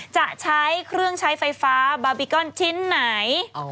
จะใช้เครื่องใช้ไฟฟ้าบาร์บีกอนชิ้นไหน